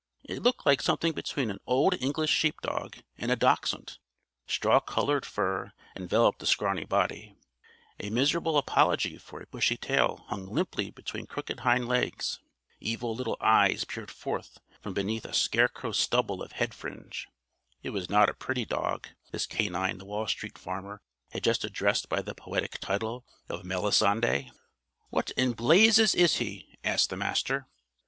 It looked like something between an Old English sheep dog and a dachshund; straw colored fur enveloped the scrawny body; a miserable apology for a bushy tail hung limply between crooked hind legs; evil little eyes peered forth from beneath a scarecrow stubble of head fringe; it was not a pretty dog, this canine the Wall Street Farmer had just addressed by the poetic title of "Melisande." "What in blazes is he?" asked the Master.